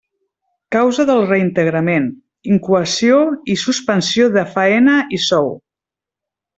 Causa del reintegrament: incoació i suspensió de faena i sou.